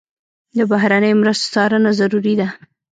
د بهرنیو مرستو څارنه ضروري ده.